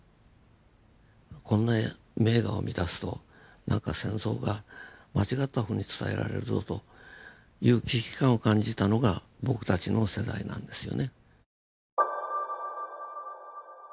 こんな名画を見だすとなんか戦争が間違ったふうに伝えられるぞという危機感を感じたのが僕たちの世代なんですよね。